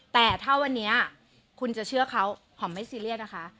แต่ถ้าวันนี้คุณจะเชื่อเขาหอมไม่ซีเรียสนะคะ